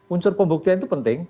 unsur pembuktian itu penting